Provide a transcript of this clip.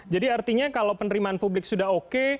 jadi artinya kalau penerimaan publik sudah oke